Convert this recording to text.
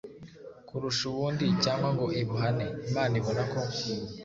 kurusha ubundi cyangwa ngo ibuhane. Imana ibona ko “